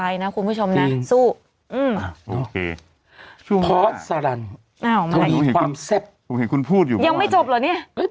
ยังไม่จบเหรอนี่